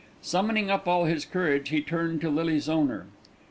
Summoning up all his courage he turned to Lily's owner.